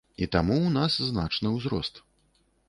І таму ў нас значны ўзрост.